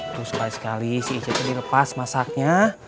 terus sekali sekali si ece jadi lepas masaknya